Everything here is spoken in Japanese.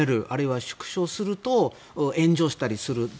あるいは縮小すると炎上したりする。